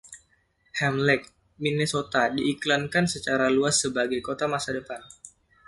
Ham Lake, Minnesota diiklankan secara luas sebagai kota masa depan.